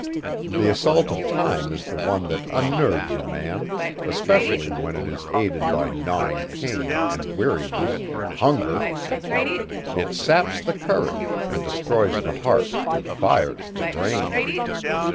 The assault of time is the one that unnerves a man, especially when it is aided by gnawing pain and weariness and hunger; it saps the courage and destroys the heart and fires the brain.